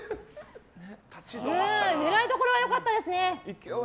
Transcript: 狙いどころは良かったですね。